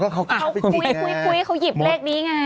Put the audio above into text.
เขายิบเลขนี้ไง